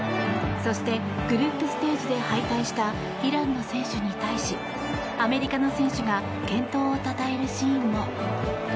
そしてグループステージで敗退したイランの選手に対しアメリカの選手が健闘をたたえるシーンも。